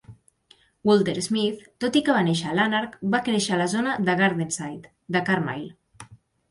Walter Smith, tot i que va néixer a Lanark, va créixer a la zona de Gardenside de Carmyle.